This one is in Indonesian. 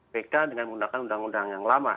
pk dengan menggunakan undang undang yang lama